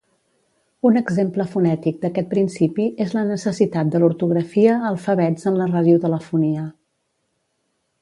Un exemple fonètic d'aquest principi és la necessitat de l'ortografia alfabets en la radiotelefonia.